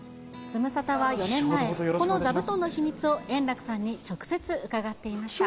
ズムサタは４年前、この座布団の秘密を円楽さんに直接、伺っていました。